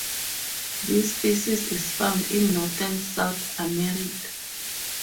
This species is found in northern South America.